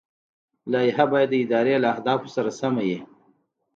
لایحه باید د ادارې له اهدافو سره سمه وي.